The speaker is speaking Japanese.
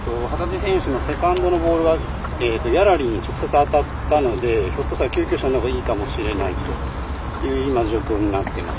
幡地選手のセカンドのボールがギャラリーに直接当たったのでひょっとしたら救急車を呼んだほうがいいかもしれないという状況になっています。